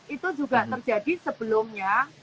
itu juga terjadi sebelumnya